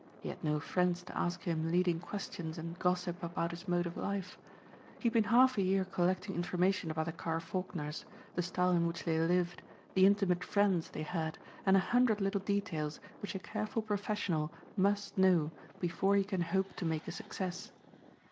He had no friends to ask him leading questions and gossip about his mode of life. He had been half a year collecting information about the Carr Faulkners, the style in which they lived, the intimate friends they had and a hundred little details which a careful professional must know before he can hope to make a success.